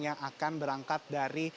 yang akan berangkat dari